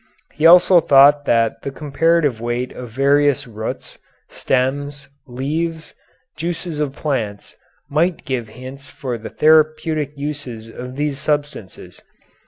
He also thought that the comparative weight of various roots, stems, leaves, juices of plants might give hints for the therapeutic uses of these substances.